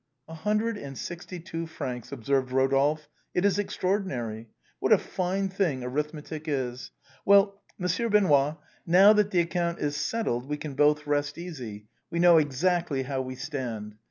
" A hundred and sixty two francs," observed Eodolphe, " it is extraordinary. What a fine thing arithmetic is. Well, Monsieur Benoît, now that the account is settled we can both rest easy, we know exactly how we stand.